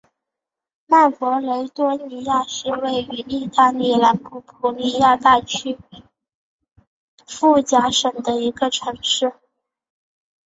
曼弗雷多尼亚是位于义大利南部普利亚大区福贾省的一个城市。